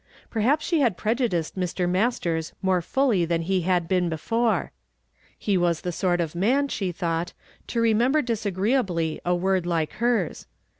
Perhaps she had prejudiced Mr. Mastei's more fully than he had been before. He was the sort of man, she thought, to remem ber disagreeably a word like hei s.